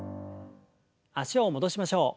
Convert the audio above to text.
脚を戻しましょう。